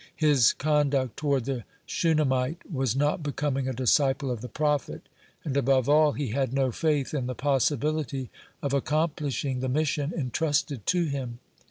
His conduct toward the Shunammite was not becoming a disciple of the prophet, and, above all, he had no faith in the possibility of accomplishing the mission entrusted to him.